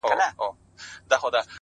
اوس مي د زړه زړگى په وينو ســور دى ـ